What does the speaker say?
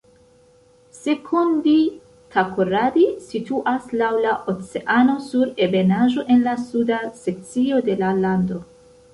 Sekondi-Takoradi situas laŭ la oceano sur ebenaĵo en la suda sekcio de la lando.